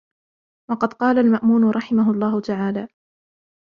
وَقَدْ قَالَ الْمَأْمُونُ رَحِمَهُ اللَّهُ تَعَالَى